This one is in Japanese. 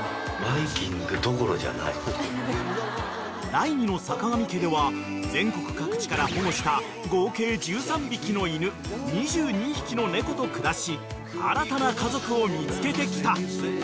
［第２のさかがみ家では全国各地から保護した合計１３匹の犬２２匹の猫と暮らし新たな家族を見つけてきた］